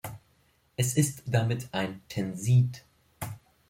Es ist damit ein Tensid.